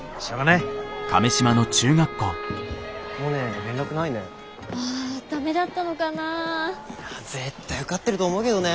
いや絶対受かってると思うけどね。